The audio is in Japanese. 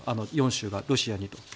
４州がロシアにと。